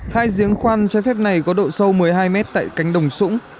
hai giếng khoan trái phép này có độ sâu một mươi hai mét tại cánh đồng sũng